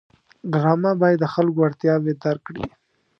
ډرامه باید د خلکو اړتیاوې درک کړي